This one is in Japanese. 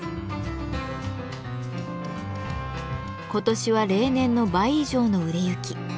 今年は例年の倍以上の売れ行き。